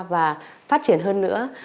và phát triển hơn nữa